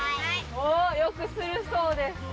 よくするそうです。